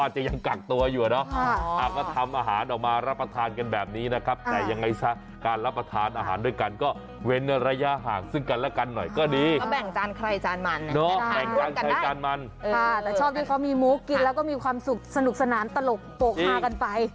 แต่เนาะชอบที่เขามีมุกกินแล้วก็มีความสุขสนุกสนานตลกปกฮากันไป